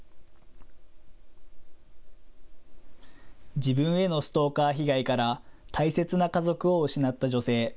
自分へのストーカー被害から大切な家族を失った女性。